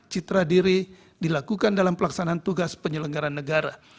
citra diri dilakukan dalam pelaksanaan tugas penyelenggaran negara